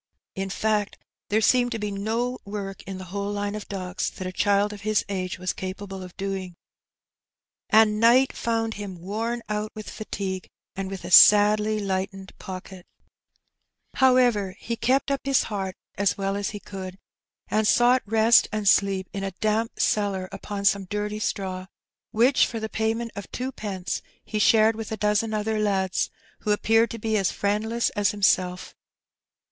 In fact, there seemed to be no work in the whole line of docks that a child of his age was capable of doing. And night found him worn out with fatigue, and with a sadly lightened pocket. 204 Her Benny. However^ he kept up liis heart as well as he conld^ and sought rest and sleep in a damp cellar upon some dirty straw^ which for the payment of twopence he shared with a dozen other lads^ who appeared to be as friendless as him self.